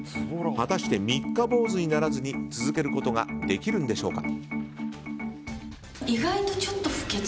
果たして三日坊主にならずに続けることができるんでしょうか。